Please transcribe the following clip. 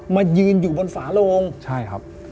มายืนอยู่บนฝาโลงใช่ครับ